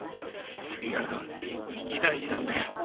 す杉浦君一大事なんだよ！